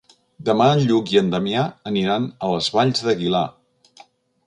Demà en Lluc i en Damià aniran a les Valls d'Aguilar.